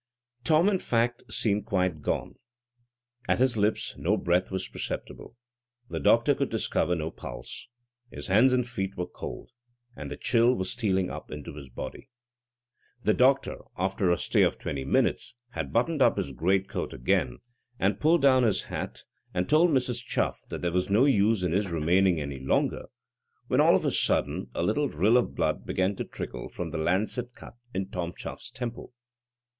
Tom, in fact, seemed quite gone. At his lips no breath was perceptible. The doctor could discover no pulse. His hands and feet were cold, and the chill was stealing up into his body. The doctor, after a stay of twenty minutes, had buttoned up his great coat again and pulled down his hat, and told Mrs. Chuff that there was no use in his remaining any longer, when, all of a sudden, a little rill of blood began to trickle from the lancet cut in Tom Chuffs temple.